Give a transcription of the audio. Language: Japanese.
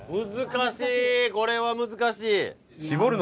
これは難しい！